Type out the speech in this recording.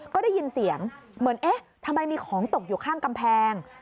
ก็ได้ยินเสียงเหมือนเอ๊ะทำไมมีของตกอยู่ข้างกำแพง